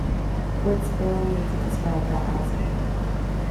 Words fail me to describe that ice cream.